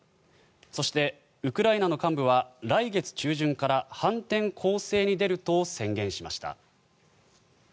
そしてウクライナの幹部は来月中旬から反転攻勢に出ると宣言しました。